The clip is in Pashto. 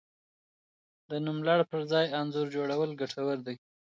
د نوملړ پر ځای انځور جوړول ګټور دي.